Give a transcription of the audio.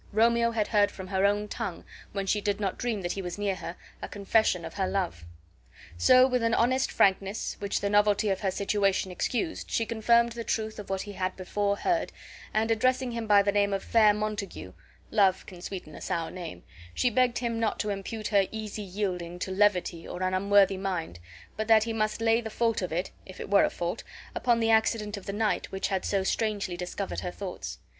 Romeo had heard from her own tongue, when she did not dream that he was near her, a confession of her love. So with an honest frankness which the novelty of her situation excused she confirmed the truth of what he had before heard, and, addressing him by the name of FAIR MONTAGUE (love can sweeten a sour name), she begged him not to impute her easy yielding to levity or an unworthy mind, but that he must lay the fault of it (if it were a fault) upon the accident of the night which had so strangely discovered her thoughts.